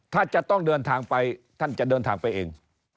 ถ้าจะต้องเดินทางไปท่านจะเดินทางไปเอง